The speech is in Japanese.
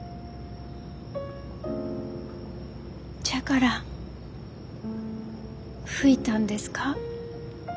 じゃから吹いたんですか？